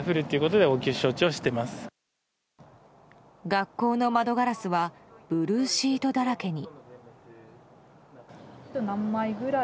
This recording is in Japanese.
学校の窓ガラスはブルーシートだらけに。